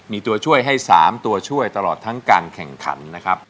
มีตัวช่วยให้๓ตัวช่วยตลอดทั้งการแข่งขันนะครับ